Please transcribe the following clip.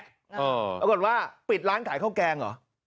ปรากฏว่าปิดร้านขายข้าวแกงเหรอ